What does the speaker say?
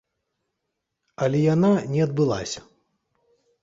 Але яна не адбылася.